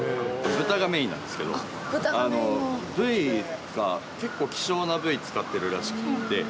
豚がメインなんですけど部位が、結構希少な部位使ってるらしくて。